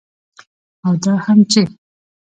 او دا هم چې